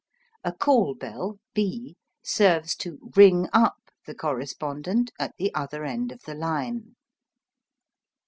A call bell B serves to "ring up" the correspondent at the other end of the line.